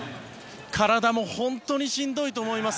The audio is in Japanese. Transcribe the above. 体も本当にしんどいと思います。